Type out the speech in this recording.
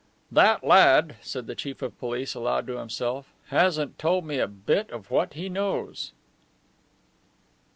"That lad," said the Chief of Police aloud to himself, "hasn't told me a bit of what he knows."